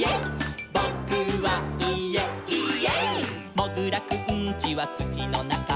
「もぐらくんちはつちのなか」「」